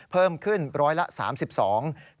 เพิ่มขึ้น๑๓๒บาท